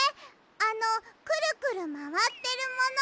あのクルクルまわってるもの。